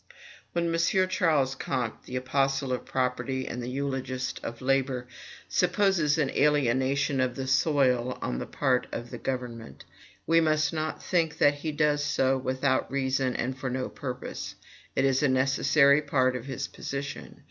When M. Ch. Comte, the apostle of property and the eulogist of labor, supposes an alienation of the soil on the part of the government, we must not think that he does so without reason and for no purpose; it is a necessary part of his position.